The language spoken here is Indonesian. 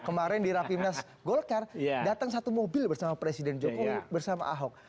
kemarin di rapimnas golkar datang satu mobil bersama presiden jokowi bersama ahok